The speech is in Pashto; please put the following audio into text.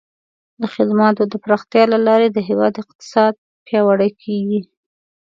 د خدماتو د پراختیا له لارې د هیواد اقتصاد پیاوړی کیږي.